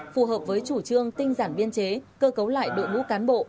phù hợp với chủ trương tinh giản biên chế cơ cấu lại đội ngũ cán bộ